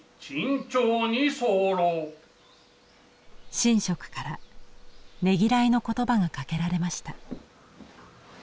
神職からねぎらいの言葉がかけられました。